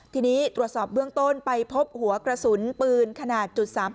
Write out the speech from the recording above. ทีนี้ตรวจสอบเบื้องต้นไปพบหัวกระสุนปืนขนาด๓๘